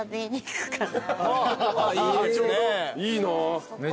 いいな。